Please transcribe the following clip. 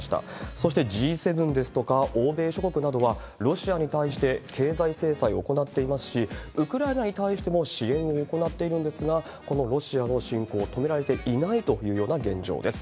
そしてＧ７ですとか、欧米諸国などは、ロシアに対して経済制裁を行っていますし、ウクライナに対しても支援を行っているんですが、このロシアの侵攻を止められていないというような現状です。